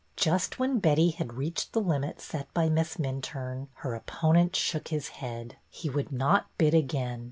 Just when Betty had reached the limit set by Miss Minturne, her opponent shook his head. He would not bid again.